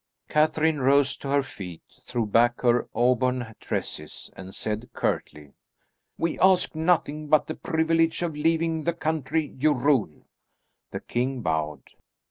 Catherine rose to her feet, threw back her auburn tresses, and said curtly, "We ask nothing but the privilege of leaving the country you rule." The king bowed.